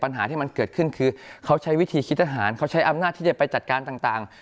ปัญหาที่มันเกิดขึ้นคือเขาใช้วิธีคิดทหารเขาใช้อำนาจที่จะไปจัดการต่าง